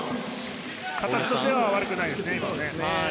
形としては悪くないですよ。